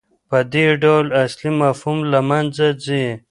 په دې ډول اصلي مفهوم له منځه ځي.